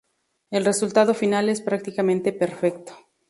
El resultado final es prácticamente perfecto.